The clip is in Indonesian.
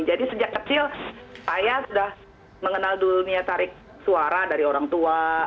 jadi sejak kecil saya sudah mengenal dulu niat tarik suara dari orang tua